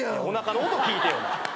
おなかの音聞いてよ。